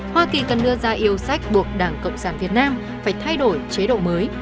hoa kỳ cần đưa ra yêu sách buộc đảng cộng sản việt nam phải thay đổi chế độ mới